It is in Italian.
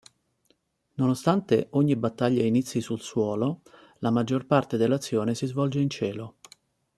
Nonostante ogni battaglia inizi sul suolo, la maggior parte dell'azione si svolge in cielo.